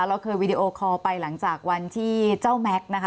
เราเคยวีดีโอคอลไปหลังจากวันที่เจ้าแม็กซ์นะคะ